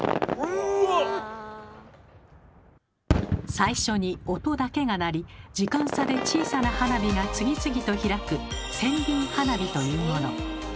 最初に音だけが鳴り時間差で小さな花火が次々と開く「千輪花火」というもの。